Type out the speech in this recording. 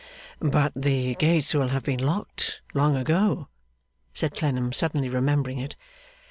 'But the gates will have been locked long ago,' said Clennam, suddenly remembering it.